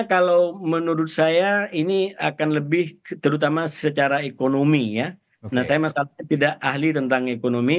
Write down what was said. kalau menurut saya ini akan lebih terutama secara ekonomi ya nah saya masalahnya tidak ahli tentang ekonomi